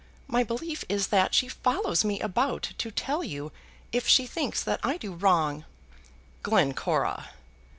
My belief is that she follows me about to tell you if she thinks that I do wrong." "Glencora!"